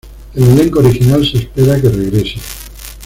El elenco original se espera que regrese.